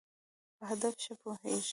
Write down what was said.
په هدف ښه پوهېږی.